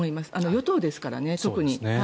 与党ですからね、特に。